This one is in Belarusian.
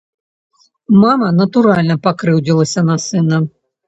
Мама, натуральна, пакрыўдзілася на сына.